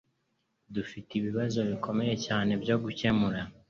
Dufite ibibazo bikomeye cyane byo gukemura.